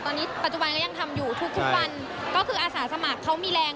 ตอนนี้ปัจจุบันก็ยังทำอยู่ทุกทุกวันก็คืออาสาสมัครเขามีแรง